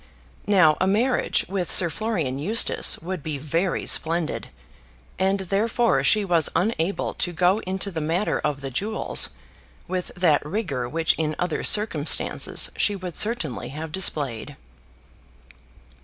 Now a marriage with Sir Florian Eustace would be very splendid, and therefore she was unable to go into the matter of the jewels with that rigour which in other circumstances she would certainly have displayed.